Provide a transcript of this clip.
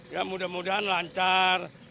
ya mudah mudahan lancar